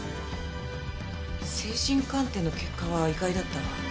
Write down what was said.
精神鑑定の結果は意外だったわ。